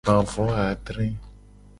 Gba vo adre.